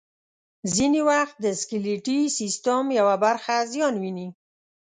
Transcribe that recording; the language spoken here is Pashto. ځینې وخت د سکلیټي سیستم یوه برخه زیان ویني.